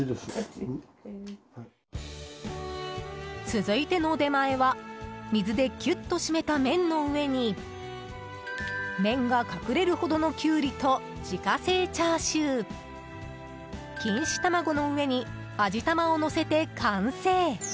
続いての出前は水でキュッと締めた麺の上に麺が隠れるほどのキュウリと自家製チャーシュー錦糸卵の上に、味玉をのせて完成。